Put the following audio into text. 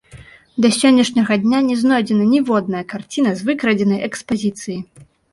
Да сённяшняга дня не знойдзена ніводная карціна з выкрадзенай экспазіцыі.